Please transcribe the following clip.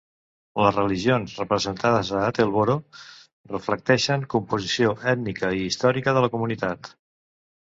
Les religions representades a Attleboro reflecteixen composició ètnica i històrica de la comunitat.